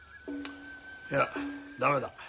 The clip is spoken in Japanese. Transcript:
いや駄目だ。